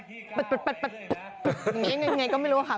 อย่างนี้ยังไงก็ไม่รู้ค่ะ